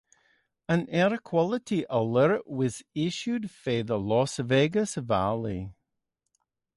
An air quality alert was issued for the Las Vegas Valley.